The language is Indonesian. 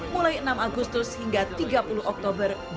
mulai enam agustus hingga tiga puluh oktober dua ribu dua puluh